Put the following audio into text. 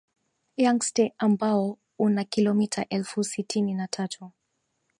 Yangtse ambao una kilomita elfu sitini na tatu